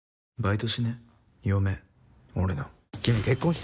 「君結婚してる？」